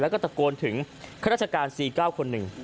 แล้วก็ตะโกนถึงข้าราชการ๔๙คนหนึ่ง